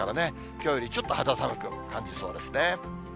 きょうよりちょっと肌寒く感じそうですね。